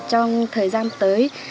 trong thời gian tới